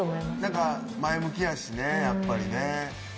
何か前向きやしねやっぱりね。